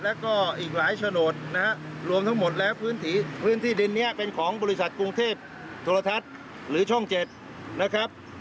แล้วก็อีกหลายโฉนดนะฮะรวมทั้งหมดแล้วพื้นที่พื้นที่ดินนี้เป็นของบริษัทกรุงเทพโทรทัศน์หรือช่อง๗นะครับ